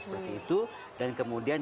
seperti itu dan kemudian